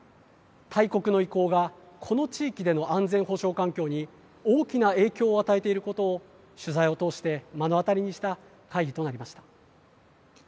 大国の意向がこの地域での安全保障環境に大きな影響を与えていることを取材を通して目の当たりにした会議となりました。